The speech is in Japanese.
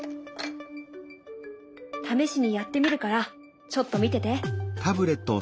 試しにやってみるからちょっと見てて。